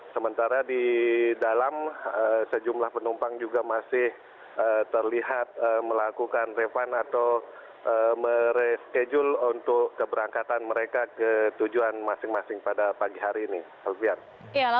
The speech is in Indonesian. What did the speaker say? sementara di dalam sejumlah penumpang juga masih terlihat melakukan refund atau mereschedule untuk keberangkatan mereka ke tujuan masing masing pada pagi hari ini